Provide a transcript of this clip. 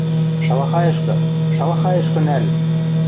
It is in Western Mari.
Шалахайышкы, шалахайышкы нӓл!